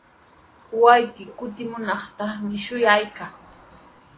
Wawqii kutimunantami shuyaykaa.